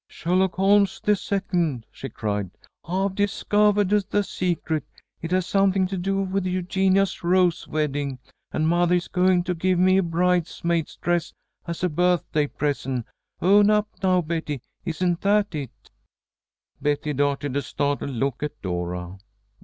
"Sherlock Holmes the second!" she cried. "I've discovahed the secret. It has something to do with Eugenia's rose wedding, and mothah is going to give me my bridesmaid's dress as a birthday present. Own up now, Betty. Isn't that it?" Betty darted a startled look at Dora.